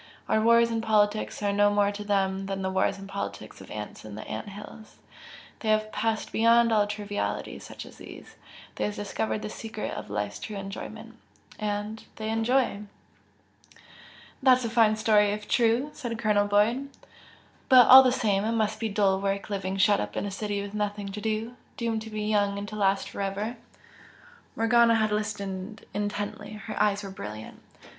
Our wars and politics are no more to them than the wars and politics of ants in ant hills, they have passed beyond all trivialities such as these. They have discovered the secret of life's true enjoyment and they enjoy!" "That's a fine story if true!" said Colonel Boyd "But all the same, it must be dull work living shut up in a city with nothing to do, doomed to be young and to last for ever!" Morgana had listened intently, her eyes were brilliant.